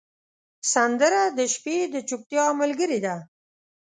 سندره د شپې د چوپتیا ملګرې ده